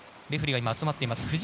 レフリーが集まっています。